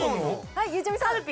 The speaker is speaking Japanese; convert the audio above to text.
⁉はいゆうちゃみさん。